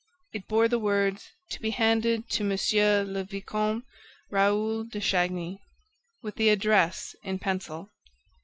It bore the words "To be handed to M. le Vicomte Raoul de Chagny," with the address in pencil.